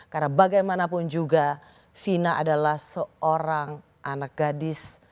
karena bagaimanapun juga fina adalah seorang anak gadis